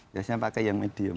biasanya pakai yang medium